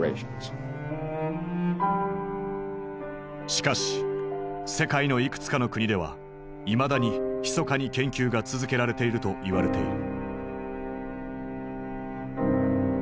しかし世界のいくつかの国ではいまだにひそかに研究が続けられていると言われている。